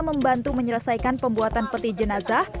membantu menyelesaikan pembuatan peti jenazah